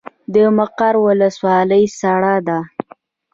د مقر ولسوالۍ سړه ده